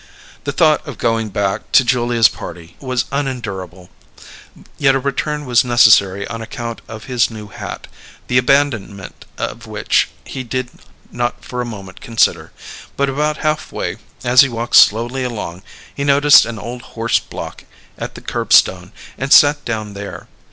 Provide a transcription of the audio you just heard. The thought of going back to Julia's party was unendurable, yet a return was necessary on account of his new hat, the abandonment of which he did not for a moment consider. But about half way, as he walked slowly along, he noticed an old horse block at the curbstone, and sat down there.